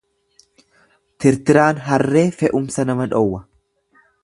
Tirtiraan harree fe'umsa nama dhowwa.